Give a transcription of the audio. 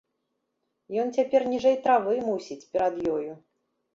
Ён цяпер ніжэй травы, мусіць, перад ёю.